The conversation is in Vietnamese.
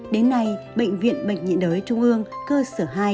đến nay bệnh viện bệnh nhiệt đới trung ương cơ sở hai